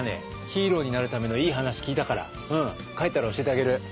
ヒーローになるためのいい話聞いたから帰ったら教えてあげる。